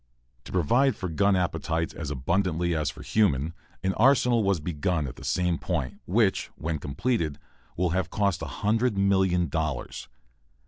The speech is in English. To provide for gun appetites as abundantly as for human, an arsenal was begun at the same point, which, when completed, will have cost a hundred million dollars.